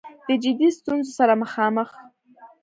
د جدي ستونځو سره مخامخ